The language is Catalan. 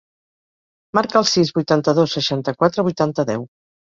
Marca el sis, vuitanta-dos, seixanta-quatre, vuitanta, deu.